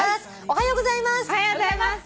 「おはようございます」